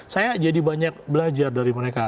saya jadi banyak belajar dari mereka